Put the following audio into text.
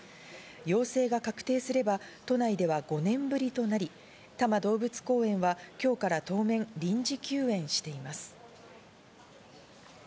陽性が確定すれば都内では５年ぶりとなり、多摩動物公園は今日から当面、臨時休園しています。